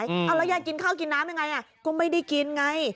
เอาแล้วยายกินข้าวกินน้ำยังไงก็ไม่ได้กินไง